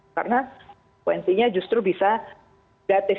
karena kuantinya justru bisa gratis